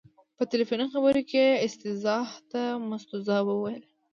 په تلیفوني خبرو کې یې استیضاح ته مستوزا وویل.